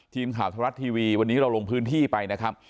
ทีมข่าวธรรมรัฐทีวีวันนี้เราลงพื้นที่ไปนะครับ